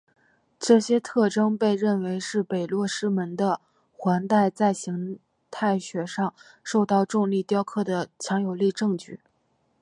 这些特点被认为是北落师门的环带在形态学上受到重力雕刻的强有力证据。